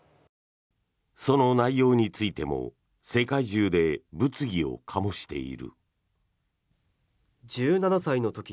その内容についても世界中で物議を醸している。